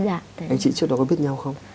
anh chị trước đó có biết nhau không